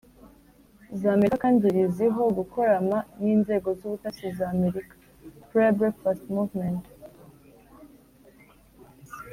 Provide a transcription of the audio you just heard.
z'amerika kandi riziho gukorama n'inzego z'ubutasi za amerika. «prayer breakfast movement»